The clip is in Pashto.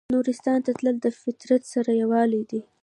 نورستان ته تلل د فطرت سره یووالی دی.